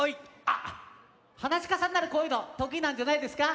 あっはなしかさんならこういうのとくいなんじゃないですか。